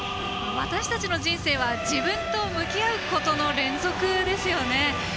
私たちの人生は自分と向き合うことの連続ですよね。